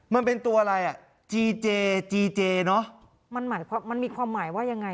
มันเป็นตัวอะไรจีเจจีเจเนาะมันมีความหมายว่ายังไง